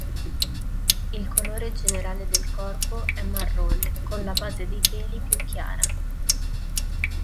Il colore generale del corpo è marrone con la base dei peli più chiara.